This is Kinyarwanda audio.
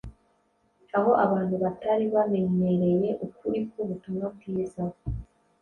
aho abantu batari bamenyereye ukuri k’ubutumwa bwiza.